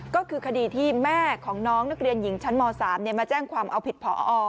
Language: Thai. ก็คือคดีที่แม่ของน้องนักเรียนหญิงชั้นม๓มาแจ้งความเอาผิดพอ